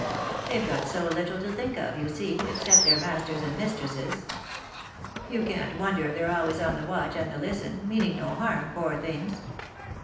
They've got so little to think of, you see, except their masters and mistresses. You can't wonder if they're al ways on the watch and the listen, meaning no harm, poor things.